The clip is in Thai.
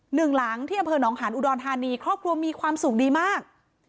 หนึ่งหลังที่อเภอน้องขาวสนฮันต์อูดอนฮานีครอบครัวมีความสุขดีมาก